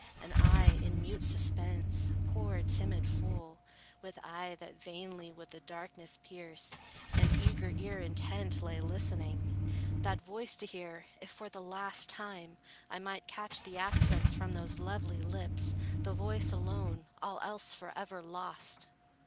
And I, in mute suspense, poor timid fool, With eye that vainly would the darkness pierce, And eager ear intent, lay, listening, That voice to hear, if, for the last time, I Might catch the accents from those lovely lips; The voice alone; all else forever lost!